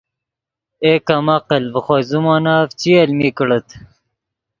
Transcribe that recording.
اے کم عقل ڤے خوئے زیمونف چی المی کڑیت